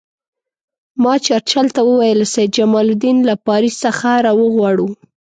ما چرچل ته وویل سید جمال الدین له پاریس څخه را وغواړو.